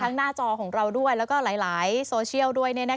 หน้าจอของเราด้วยแล้วก็หลายโซเชียลด้วย